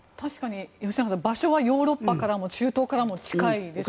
吉永さん、場所はヨーロッパからも中東からも近いですよね。